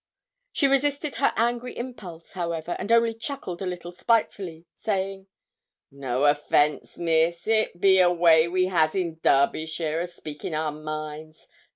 She resisted her angry impulse, however, and only chuckled a little spitefully, saying, 'No offence, miss: it be a way we has in Derbyshire o' speaking our minds.